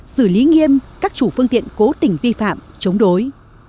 xử lý nghiêm các chủ phương tiện cố tình vi phạm chống đối